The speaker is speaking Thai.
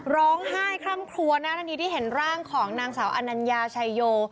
ร้องไห้คล่ำครัวหน้าทันทีที่เห็นร่างของนางสาวอนัญญาชัยโย